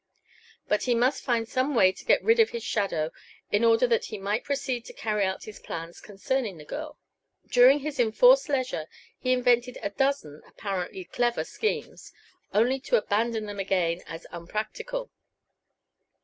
But he must find some way to get rid of his "shadow," in order that he might proceed to carry out his plans concerning the girl. During his enforced leisure he invented a dozen apparently clever schemes, only to abandon them again as unpractical.